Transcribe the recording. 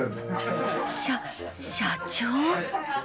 しゃ社長⁉